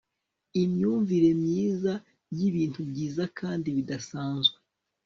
Imyumvire myiza yibintu byiza kandi bidasanzwe